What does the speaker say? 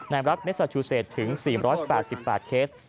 ในรัฐเมซาทิวเซตถึง๔๘๘เคส